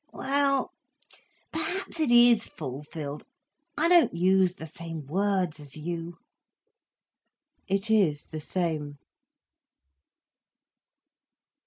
"We ell, perhaps it is fulfilled; I don't use the same words as you." "It is the same."